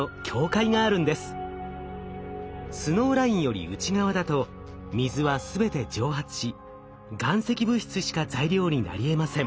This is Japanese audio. スノーラインより内側だと水は全て蒸発し岩石物質しか材料になりえません。